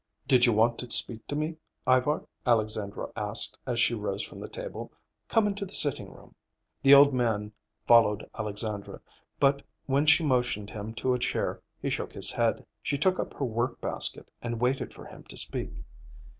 "Did you want to speak to me, Ivar?" Alexandra asked as she rose from the table. "Come into the sitting room." The old man followed Alexandra, but when she motioned him to a chair he shook his head. She took up her workbasket and waited for him to speak.